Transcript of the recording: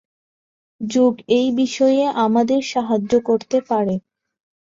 যোগ এই বিষয়ে আমাদের সাহায্য করতে পারে।